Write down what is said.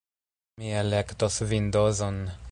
Mi elektos Vindozon.